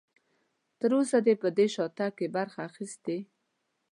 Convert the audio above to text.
تر اوسه دې په یو شاتګ کې برخه اخیستې؟